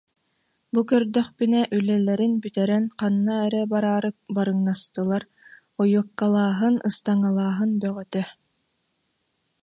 Бу көрдөхпүнэ, үлэлэрин бүтэрэн ханна эрэ бараары барыҥнастылар, ойуоккалааһын, ыстаҥалааһын бөҕөтө